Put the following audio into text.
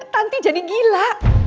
tanti jadi gila